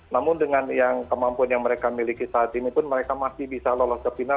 namun dengan yang kemampuan yang mereka miliki saat ini pun mereka masih bisa lolos ke final